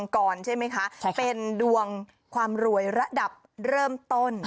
คือขวามรวยระดับเริ่มต้น